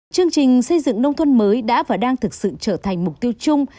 chương trình xây dựng nông thôn mới đã và đang thực sự trở thành mục tiêu chung